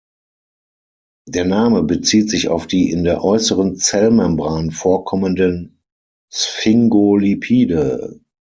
Der Name bezieht sich auf die in der äußeren Zellmembran vorkommenden Sphingolipide.